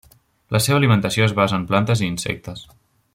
La seva alimentació es basa en plantes i insectes.